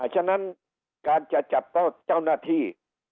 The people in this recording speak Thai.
ฉะนั้นการจะจัดเจ้าหน้าที่